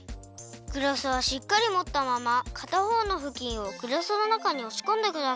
グラスはしっかりもったままかたほうのふきんをグラスの中におしこんでください。